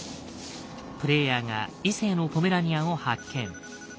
プレイヤーが異性のポメラニアンを発見。